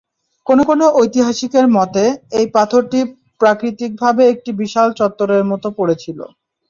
কোন কোন ঐতিহাসিকের মতে, এই পাথরটি প্রাকৃতিকভাবে একটি বিশাল চত্বরের মত পড়ে ছিল।